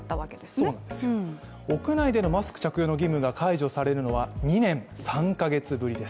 そうなんですよ、屋内でのマスク着用の義務が解除されるのは２年３か月ぶりです。